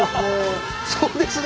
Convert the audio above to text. そうですね。